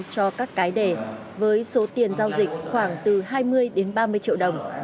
cho các cái đề với số tiền giao dịch khoảng từ hai mươi đến ba mươi triệu đồng